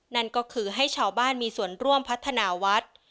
นั่นก็คือให้ชาวบ้านมีส่วนร่วมพัฒนาวัด